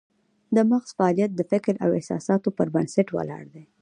د مغز فعالیت د فکر او احساساتو پر بنسټ ولاړ دی